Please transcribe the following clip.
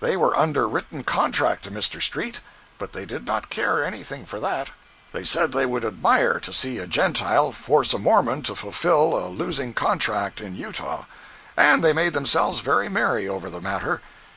They were under written contract to Mr. Street, but they did not care anything for that. They said they would "admire" to see a "Gentile" force a Mormon to fulfil a losing contract in Utah! And they made themselves very merry over the matter.